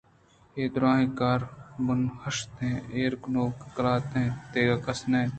اے دُرٛاہیں کار ءِ بُن ہِشت ایر کنوک قلات اِنت دگہ کس نہ اِنت